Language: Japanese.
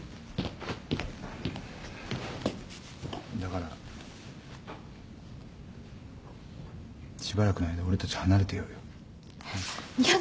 だからしばらくの間俺たち離れてようよ。えっ！？やだ。